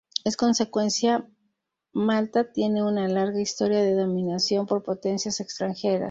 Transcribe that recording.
En consecuencia, Malta tiene una larga historia de dominación por potencias extranjeras.